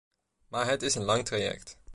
Maar het is een lang traject.